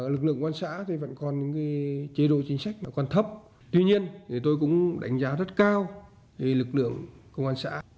lực lượng công an xã thì vẫn còn những chế độ chính sách còn thấp tuy nhiên tôi cũng đánh giá rất cao lực lượng công an xã